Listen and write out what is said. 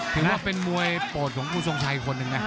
ถือว่าเป็นมวยโปรดของผู้ทรงชัยคนหนึ่งนะ